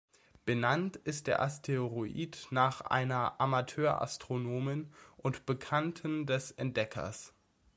Benannt ist der Asteroid nach einer Amateur-Astronomin und Bekannten des Entdeckers.